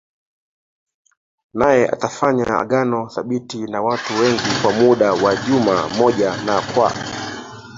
Naye atafanya agano thabiti na watu wengi kwa muda wa juma moja na kwa